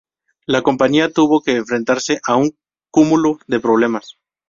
La compañía tuvo que enfrentarse a un cúmulo de problemas.